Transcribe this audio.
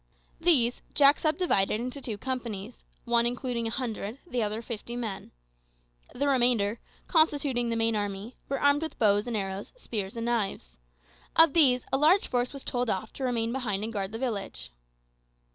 These Jack subdivided into two companies, one including a hundred, the other fifty men. The remainder, constituting the main army, were armed with bows and arrows, spears and knives. Of these a large force was told off to remain behind and guard the village.